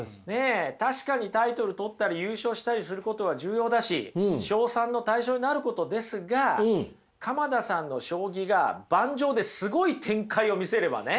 確かにタイトル取ったり優勝したりすることは重要だし称賛の対象になることですが鎌田さんの将棋が盤上ですごい展開を見せればね